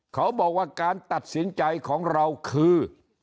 เขาบอกว่าการตัดสินใจของเราคือ